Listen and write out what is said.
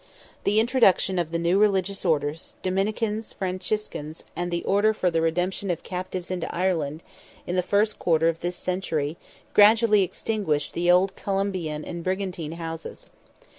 The introduction of the new religious orders—Dominicans, Franciscans, and the order for the redemption of Captives into Ireland, in the first quarter of this century gradually extinguished the old Columban and Brigintine houses.